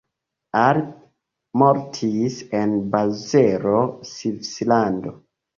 Arp mortis en Bazelo, Svislando.